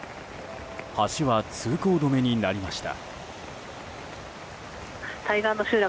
橋は通行止めになりました。